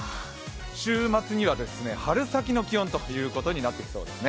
週末には春先の気温ということになってきそうですね。